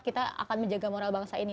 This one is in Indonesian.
kita akan menjaga moral bangsa ini